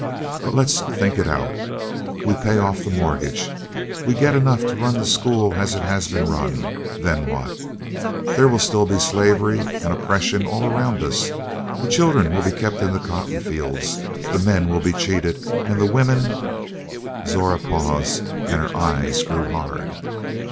But let's think it out: we pay off the mortgage, we get enough to run the school as it has been run. Then what? There will still be slavery and oppression all around us. The children will be kept in the cotton fields; the men will be cheated, and the women " Zora paused and her eyes grew hard.